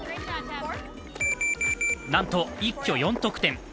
なんと一挙４得点。